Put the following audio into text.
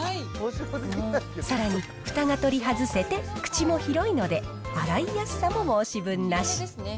さらに、ふたが取り外せて、口も広いので、洗いやすさも申し分なし。